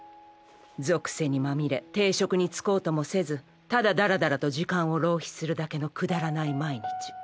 俗世にまみれ定職に就こうともせずただダラダラと時間を浪費するだけのくだらない毎日。